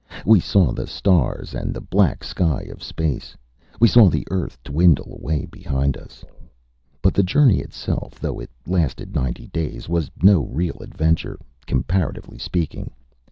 We saw the stars and the black sky of space. We saw the Earth dwindle away behind us. But the journey itself, though it lasted ninety days, was no real adventure comparatively speaking.